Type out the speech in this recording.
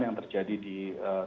yang terjadi di tingkat depan